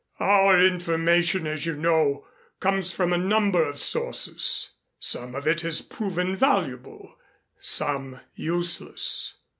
Our information, as you know, comes from a number of sources. Some of it has proven valuable some useless.